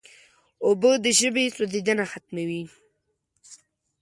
اوبه د ژبې سوځیدنه ختموي.